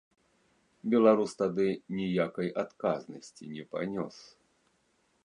Беларус тады ніякай адказнасці не панёс.